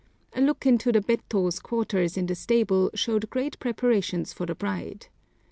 A look into the bettō's quarters in the stable showed great preparations for the bride.